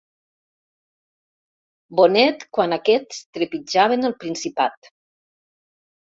Bonet quan aquests trepitjaven el Principat.